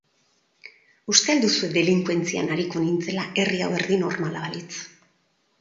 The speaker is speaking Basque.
Uste al duzue delinkuentzian ariko nintzela herri hau erdi normala balitz?